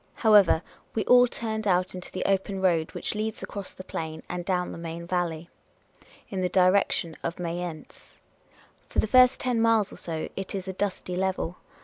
However, we all turned out into the open road which leads across the plain and down the Main Valley, in the direction of Mayence. For the first ten miles or so, it is a dusty level.